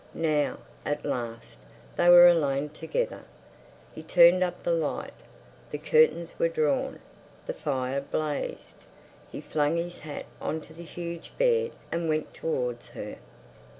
Now, at last, they were alone together. He turned up the light. The curtains were drawn; the fire blazed. He flung his hat on to the huge bed and went towards her.